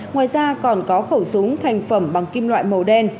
ngoài ra còn có khẩu súng thành phẩm bằng kim loại màu đen